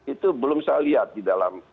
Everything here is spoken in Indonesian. itu belum saya lihat di dalam